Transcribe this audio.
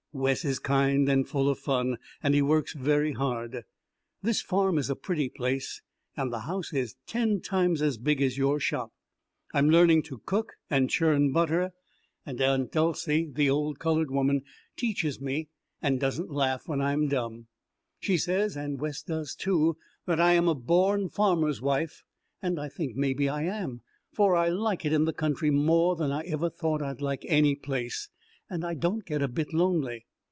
Wes is kind and full of fun, and he works very hard. This farm is a pretty place, and the house is ten times as big as your shop. I am learning to cook and churn butter, and Aunt Dolcey, the old coloured woman, teaches me and doesn't laugh when I am dumb. She says, and Wes does, too, that I am a born farmer's wife, and I think maybe I am, for I like it in the country more than I ever thought I'd like any place, and I don't get a bit lonely.